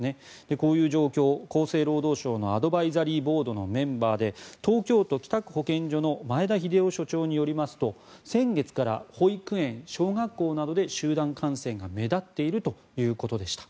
こういう状況、厚生労働省のアドバイザリーボードのメンバーで東京都の北区保健所の前田秀雄所長によりますと先月から保育園、小学校などで集団感染が目立っているということでした。